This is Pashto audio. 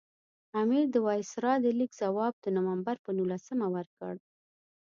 امیر د وایسرا د لیک ځواب د نومبر پر نولسمه ورکړ.